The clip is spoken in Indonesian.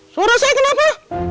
suara saya kenapa